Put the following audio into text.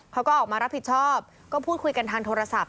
เขาก็ออกมารับผิดชอบก็พูดคุยกันทางโทรศัพท์